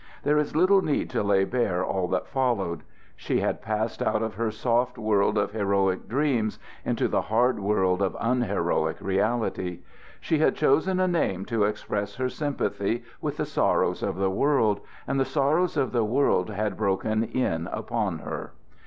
There is little need to lay bare all that followed. She had passed out of her soft world of heroic dreams into the hard world of unheroic reality. She had chosen a name to express her sympathy with the sorrows of the world, and the sorrows of the world had broken in upon her.